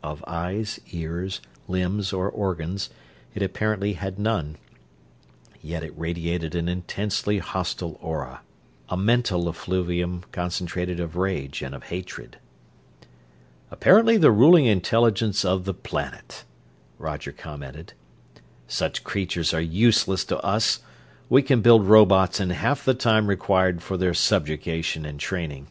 Of eyes, ears, limbs, or organs it apparently had none, yet it radiated an intensely hostile aura; a mental effluvium concentrated of rage and of hatred. "Apparently the ruling intelligence of the planet," Roger commented. "Such creatures are useless to us; we can build robots in half the time required for their subjugation and training.